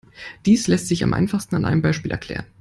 Dies lässt sich am einfachsten an einem Beispiel erklären.